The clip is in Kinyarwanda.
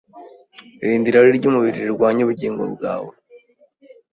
Irinde irari ry’umubiri rirwanya ubugingo bwawe.